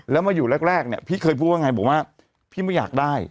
แล้วมาอยู่แรกเนี่ยพี่เคยพูดว่าไงบอกว่าพี่ไม่อยากได้